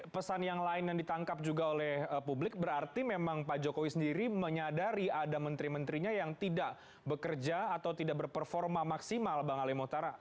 pesan yang lain yang ditangkap juga oleh publik berarti memang pak jokowi sendiri menyadari ada menteri menterinya yang tidak bekerja atau tidak berperforma maksimal bang ali motara